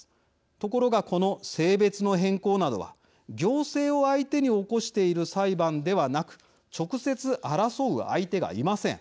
ところが、この性別の変更などは行政を相手に起こしている裁判ではなく直接争う相手がいません。